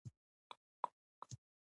ځینې خلک دا اخلي.